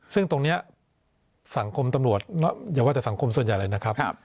ซึ่งตรงนี้สังคมตำรวจอย่าว่าแต่สังคมส่วนใหญ่เลยนะครับ